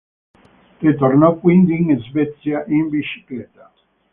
Ritornò quindi in Svezia in bicicletta.